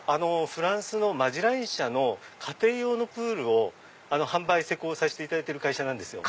フランスのマジライン社の家庭用のプールを販売・施工させていただいてる会社なんですよ。